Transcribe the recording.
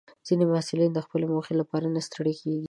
ځینې محصلین د خپلې موخې لپاره نه ستړي کېږي.